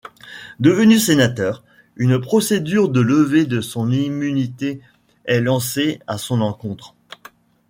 Devenu sénateur, une procédure de levée de son immunité est lancée à son encontre.